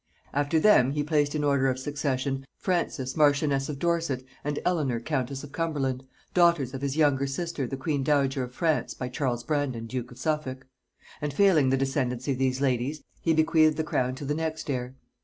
After them, he placed in order of succession Frances marchioness of Dorset, and Eleanor countess of Cumberland, daughters of his younger sister the queen dowager of France by Charles Brandon duke of Suffolk; and failing the descendants of these ladies he bequeathed the crown to the next heir.